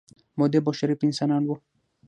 مودب او شریف انسانان وو.